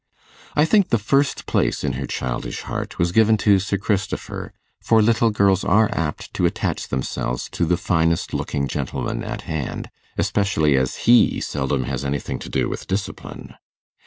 I think the first place in her childish heart was given to Sir Christopher, for little girls are apt to attach themselves to the finest looking gentleman at hand, especially as he seldom has anything to do with discipline.